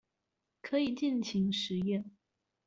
可以盡情實驗